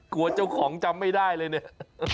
กลัวเจ้าของจำไม่ได้เลยเนี่ย